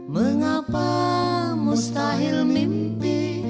mengapa mustahil mimpi